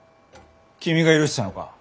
君が許したのか？